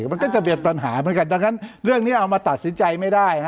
มันก็จะเป็นปัญหาเหมือนกันดังนั้นเรื่องนี้เอามาตัดสินใจไม่ได้